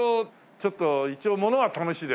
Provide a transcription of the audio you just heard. ちょっと一応ものは試しで。